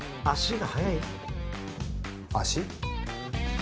足が速い足？